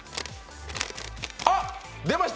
あっ、出ました。